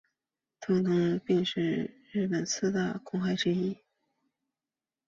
痛痛病是日本四大公害病之一。